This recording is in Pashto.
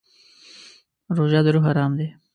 روژه د روح ارام دی.